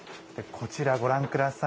こちら、ご覧ください。